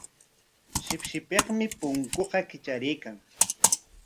Shipshipikmi punkunqa kitraraykan.